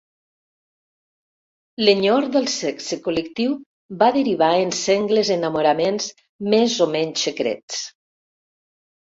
L'enyor del sexe col·lectiu va derivar en sengles enamoraments més o menys secrets.